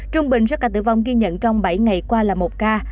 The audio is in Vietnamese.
trung bình số ca tử vong ghi nhận trong bảy ngày qua là một ca